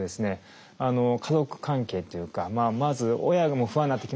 家族関係というかまず親も不安になってきますよね。